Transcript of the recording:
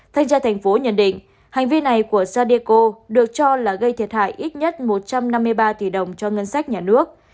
thanh tra thành phố nhận định hành vi này của sadeco được cho là gây thiệt hại ít nhất một trăm năm mươi ba tỷ đồng cho ngân sách nhà nước